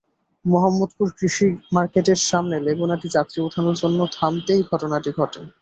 মোহাম্মদপুর কৃষি মার্কেটের সামনে লেগুনাটি যাত্রী ওঠানোর জন্য থামতেই ঘটনাটি ঘটে।